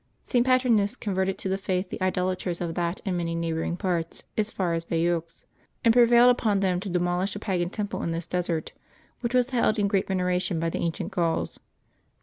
St. Paterniis con verted to the faith the idolaters of that and many neigh boring parts, as far as Bayeux, and prevailed upon them to demolish a pagan temple in this desert, which was held in great veneration by the ancient Gauls.